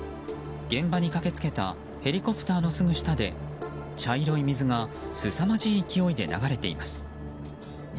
現場に駆け付けたヘリコプターのすぐ下で茶色い水がすさまじい勢いで流れています。